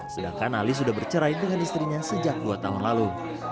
sedangkan ali sudah bercerai dengan istrinya sejak dua tahun lalu